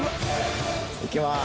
行きます。